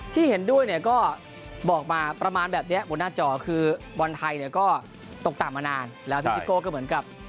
ที่เห็นด้วยเนี่ยก็บอกมาประมาณแบบนี้บนหน้าจอคือบอลไทยเนี่ยก็ตกต่ำมานานแล้วพี่ซิโก้ก็เหมือนกับ